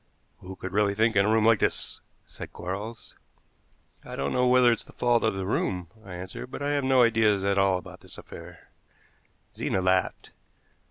"Who could really think in a room like this?" said Quarles. "I don't know whether it's the fault of the room," I answered, "but I have no ideas at all about this affair." Zena laughed.